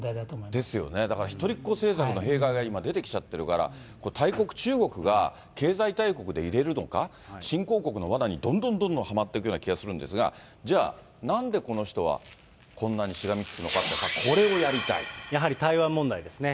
ですよね、だから一人っ子政策の弊害が今、出てきちゃってるから、大国、中国が経済大国でいれるのは、新興国のわなにどんどんどんどんはまっていくような気がするんですが、じゃあ、なんでこの人はこんなにしがみつくのかっていうと、やはり台湾問題ですね。